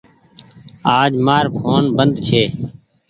آج مآر ڦون بند ڇي